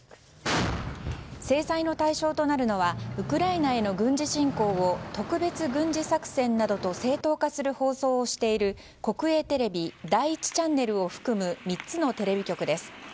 制裁の対象となるのはウクライナへの軍事侵攻を特別軍事作戦などと正当化する放送をしている国営テレビ第１チャンネルを含む３つのテレビ局です。